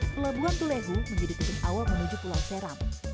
pelabuhan tulehu menjadi titik awal menuju pulau seram